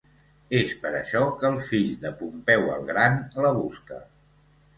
És per això que el fill de Pompeu el gran, la busca.